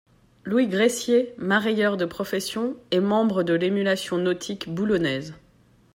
Louis Gressier, mareyeur de profession, est membre de l'Émulation nautique boulonnaise.